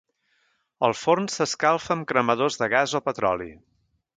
El forn s'escalfa amb cremadors de gas o petroli.